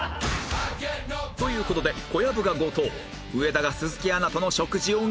という事で小籔が後藤上田が鈴木アナとの食事をゲット